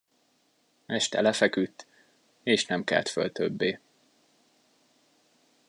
Este lefeküdt, és nem kelt föl többé.